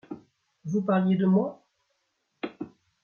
Vous parliez de moi ?